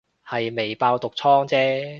係未爆毒瘡姐